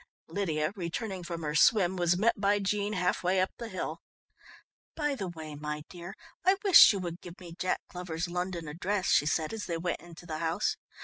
Lydia, returning from her swim, was met by Jean half way up the hill. "By the way, my dear, I wish you would give me Jack Glover's London address," she said as they went into the house.